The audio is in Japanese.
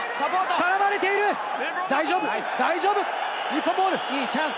絡まれている、大丈夫、日本ボール。